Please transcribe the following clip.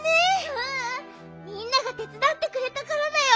ううんみんながてつだってくれたからだよ。